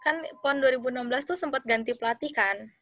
kan pon dua ribu enam belas tuh sempat ganti pelatih kan